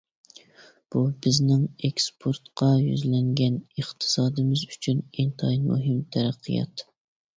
بۇ بىزنىڭ ئېكسپورتقا يۈزلەنگەن ئىقتىسادىمىز ئۈچۈن ئىنتايىن مۇھىم تەرەققىيات.